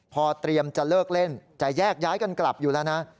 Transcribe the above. พอเตรียมจะเลิกเล่นจะแยกย้ายกันกลับอยู่แล้วนะ